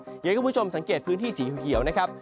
อยากให้คุณผู้ชมสังเกตพื้นที่สีเขียวนะครับ